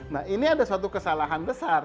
nah ini ada suatu kesalahan besar